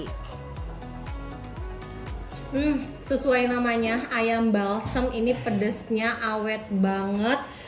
hmm sesuai namanya ayam balsam ini pedasnya awet banget